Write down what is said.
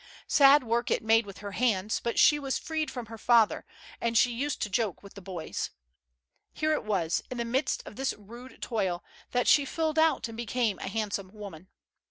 Sad work it made with her hands, but she was freed from her father, and she used to joke with the boys. Here it was, in the midst of this rude toil, that she filled out and became a handsome woman.